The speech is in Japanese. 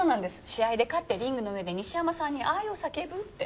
試合で勝ってリングの上で西山さんに愛を叫ぶって。